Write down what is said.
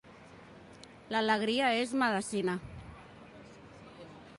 L'alegria és medecina.